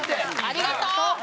ありがとう！